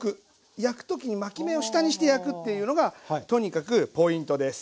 焼く時に巻き目を下にして焼くっていうのがとにかくポイントです。